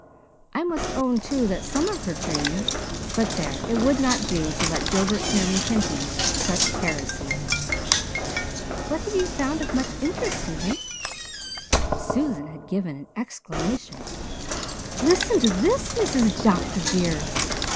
I must own, too, that some of her dreams but there, it would not do to let Gilbert hear me hinting such heresy. What have you found of much interest, Susan?" Susan had given an exclamation. "Listen to this, Mrs. Dr. dear.